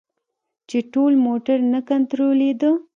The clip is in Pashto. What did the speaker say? چې ټول موټر نه کنترولیده.